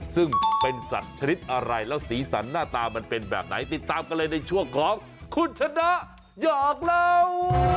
ซึ่งเป็นสัตว์ชนิดอะไรแล้วสีสันหน้าตามันเป็นแบบไหนติดตามกันเลยในช่วงของคุณชนะหยอกเล่า